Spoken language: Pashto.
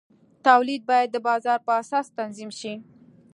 تولید باید د بازار په اساس تنظیم شي.